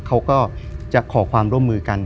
เขาก็จะขอความร่วมมือกัน